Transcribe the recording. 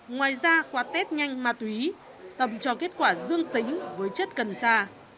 ngoài ra qua test nhanh ma túy tâm cho kết quả dương tính với chất cần xa